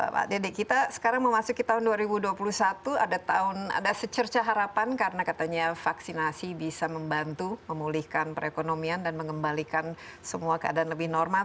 pak dede kita sekarang memasuki tahun dua ribu dua puluh satu ada tahun ada secerca harapan karena katanya vaksinasi bisa membantu memulihkan perekonomian dan mengembalikan semua keadaan lebih normal